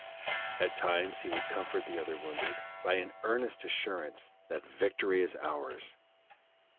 At times he would comfort the other wounded by an earnest assurance that "victory is ours!"